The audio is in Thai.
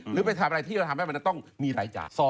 ไปทำอะไรที่เราทำให้มันจะต้องมีรายจ่าย